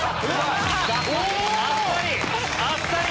あっさり！